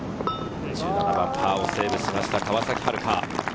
パーをセーブしました、川崎春花。